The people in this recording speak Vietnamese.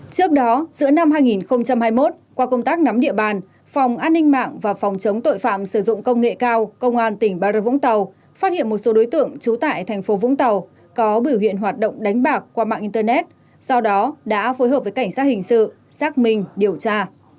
trước đó giữa năm hai nghìn hai mươi một qua công tác nắm địa bàn phòng an ninh mạng và phòng chống tội phạm sử dụng công nghệ cao công an tỉnh bà rập vũng tàu phát hiện một số đối tượng trú tại thành phố vũng tàu có biểu hiện hoạt động đánh bạc qua mạng internet sau đó đã phối hợp với cảnh sát hình sự xác minh điều tra